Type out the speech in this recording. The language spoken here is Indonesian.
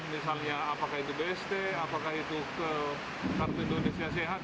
misalnya apakah itu bst apakah itu kartu indonesia sehat